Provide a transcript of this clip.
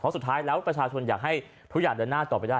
สุดท้ายแล้วประชาชนอยากให้ทุกอย่างเดินหน้าต่อไปได้